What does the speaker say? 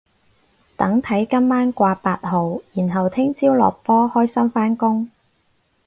等睇今晚掛八號然後聽朝落波開心返工